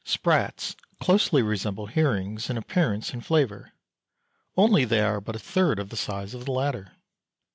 Sprats closely resemble herrings in appearance and flavour, only they are but a third of the size of the latter.